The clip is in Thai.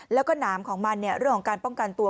แล้วก็หนามของมันเรื่องของการป้องกันตัว